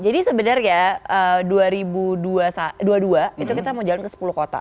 jadi sebenarnya dua ribu dua puluh dua itu kita mau jalan ke sepuluh kota